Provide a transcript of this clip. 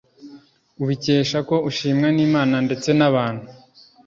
ubikesha ko ushimwa n'imana ndetse n'abantu